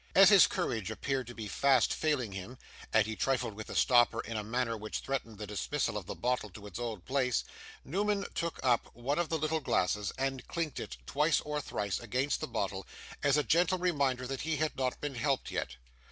As his courage appeared to be fast failing him, and he trifled with the stopper in a manner which threatened the dismissal of the bottle to its old place, Newman took up one of the little glasses, and clinked it, twice or thrice, against the bottle, as a gentle reminder that he had not been helped yet.